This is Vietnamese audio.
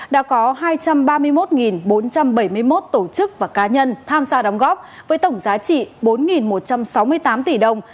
đã có hai trăm ba mươi một bốn trăm bảy mươi một tổ chức và cá nhân tham gia đóng góp với tổng giá trị bốn một trăm sáu mươi tám tỷ đồng